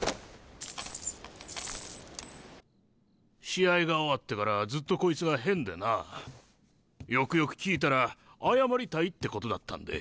試合が終わってからずっとこいつが変でなよくよく聞いたら謝りたいってことだったんで。